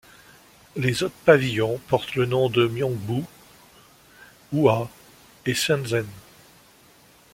Les autres pavillons portent le nom de Myongbu, Unha et Sansin.